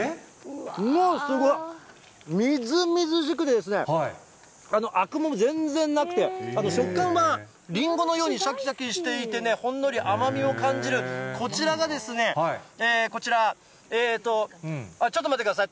すごい、みずみずしくて、あくも全然なくて、食感はリンゴのようにしゃきしゃきしていて、ほんのり甘みを感じる、こちらがですね、こちら、ちょっと待ってください。